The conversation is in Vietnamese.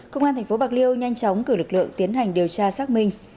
công an tp bạc liêu nhanh chóng cử lực lượng tiến hành điều tra xác minh